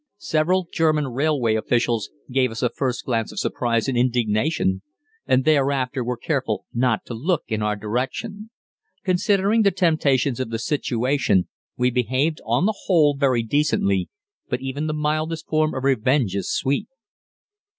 Several German railway officials gave us a first glance of surprise and indignation, and thereafter were careful not to look in our direction. Considering the temptations of the situation we behaved on the whole very decently, but even the mildest form of revenge is sweet.